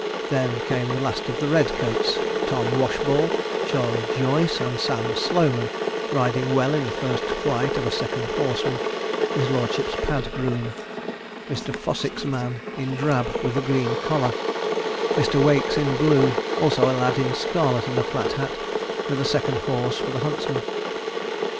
Then came the last of the red coats Tom Washball, Charley Joyce, and Sam Sloman, riding well in the first flight of second horsemen his lordship's pad groom, Mr. Fossick's man in drab with a green collar, Mr. Wake's in blue, also a lad in scarlet and a flat hat, with a second horse for the huntsman.